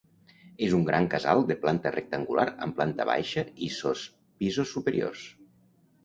És un gran casal de planta rectangular amb planta baixa i sos pisos superiors.